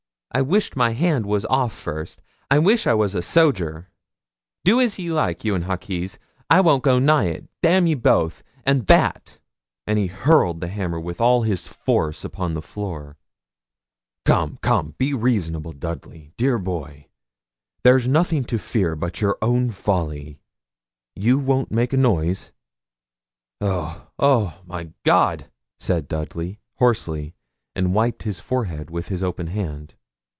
I wish my hand was off first; I wish I was a soger. Do as ye like, you an' Hawkes. I won't go nigh it; damn ye both and that!' and he hurled the hammer with all his force upon the floor. 'Come, come, be reasonable, Dudley, dear boy. There's nothing to fear but your own folly. You won't make a noise?' 'Oh, oh, my God!' said Dudley, hoarsely, and wiped his forehead with his open hand.